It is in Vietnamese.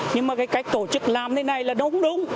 nhưng mà cái cách tổ chức làm thế này là đúng đúng